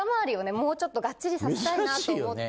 もうちょっとガッチリさせたいなと思って。